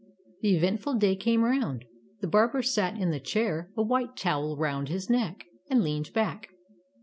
The eventful day came round. The barber sat in the chair, a white towel around his neck, and leaned back.